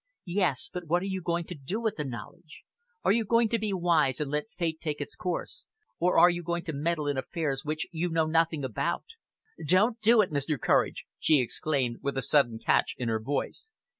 "Yes! But what are you going to do with the knowledge? Are you going to be wise and let fate take its course, or are you going to meddle in affairs which you know nothing about? Don't do it, Mr. Courage!" she exclaimed, with a sudden catch in her voice.